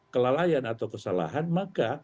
kelalaian atau kesalahan maka